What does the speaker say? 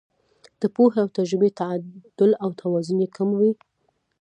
د پوهې او تجربې تعدل او توازن یې کم وي.